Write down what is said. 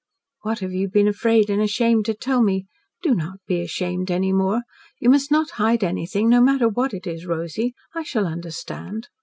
"What have you been afraid and ashamed to tell me? Do not be ashamed any more. You must not hide anything, no matter what it is, Rosy. I shall understand."